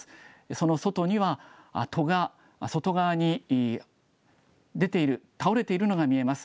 その外には、戸が外側に出ている、倒れているのが見えます。